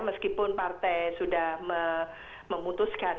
meskipun partai sudah memutuskan